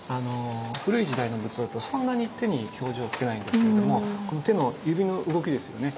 古い時代の仏像ってそんなに手に表情をつけないんですけれどもこの手の指の動きですよね。